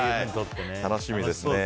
楽しみですね。